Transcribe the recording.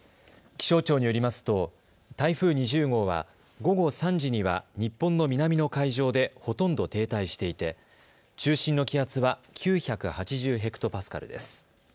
気象庁によりますと台風２０号は午後３時には日本の南の海上でほとんど停滞していて中心の気圧は９８０ｈＰａです。